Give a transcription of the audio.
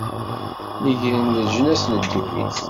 Negren leǧnas n ddunit.